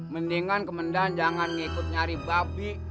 mendingan komandan jangan ngikut nyari babi